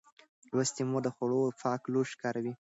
لوستې مور د خوړو پاک لوښي کاروي.